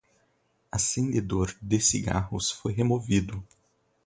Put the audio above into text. Acendedor de cigarros foi removido